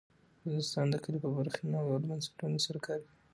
افغانستان د کلي په برخه کې نړیوالو بنسټونو سره کار کوي.